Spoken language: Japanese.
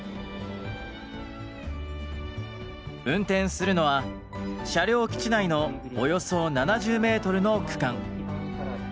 運転するのは車両基地内のおよそ７０メートルの区間。